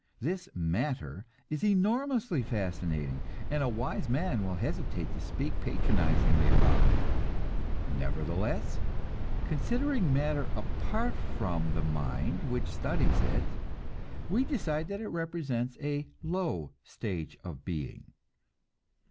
This "matter" is enormously fascinating, and a wise man will hesitate to speak patronizingly about it. Nevertheless, considering matter apart from the mind which studies it, we decide that it represents a low stage of being.